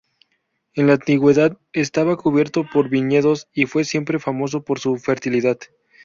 En la antigüedad estaba cubierto por viñedos y fue siempre famoso por su fertilidad.